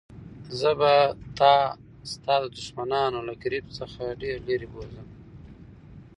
زه به تا ستا د دښمنانو له ګرفت څخه ډېر لیري بوزم.